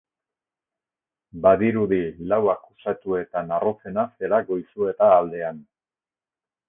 Badirudi lau akusatuetan arrotzena zela Goizueta aldean.